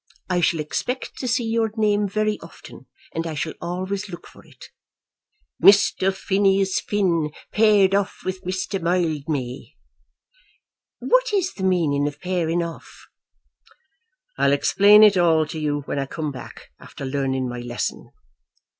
I shall expect to see your name, very often, and I shall always look for it. 'Mr. Phineas Finn paired off with Mr. Mildmay.' What is the meaning of pairing off?" "I'll explain it all to you when I come back, after learning my lesson."